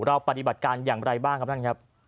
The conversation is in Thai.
ปฏิบัติการอย่างไรบ้างครับท่านครับ